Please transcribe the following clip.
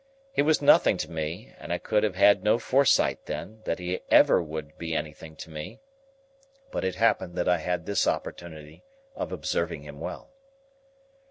He was nothing to me, and I could have had no foresight then, that he ever would be anything to me, but it happened that I had this opportunity of observing him well.